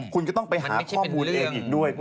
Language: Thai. คุณก็ต้องไปหาข้อมูลเองอีกด้วย